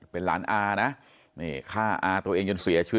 เป็ล้านอนะฆ่าอตัวเองยังเสียชีวิต